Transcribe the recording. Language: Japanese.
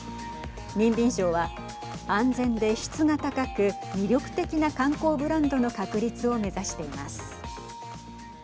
ニンビン省は、安全で質が高く魅力的な観光ブランドの確立を目指しています。